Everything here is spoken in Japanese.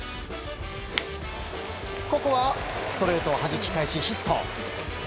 ここは、ストレートはじき返しヒット。